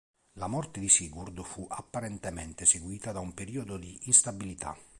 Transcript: La morte di Sigurd fu apparentemente seguita da un periodo di instabilità.